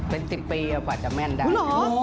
เป็น๑๐ปีกว่าจะแม่นได้